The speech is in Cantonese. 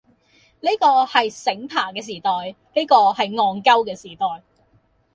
呢個係醒爬嘅時代，呢個係戇鳩嘅時代，